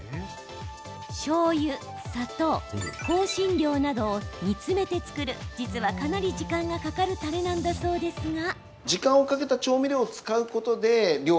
しょうゆ、砂糖、香辛料などを煮詰めて作る実は、かなり時間がかかるたれなんだそうですが。